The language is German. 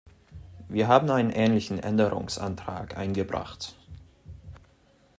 Wir haben einen ähnlichen Änderungsantrag eingebracht.